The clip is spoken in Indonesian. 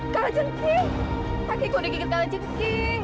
kalajengki kaki ku dikikat kalajengki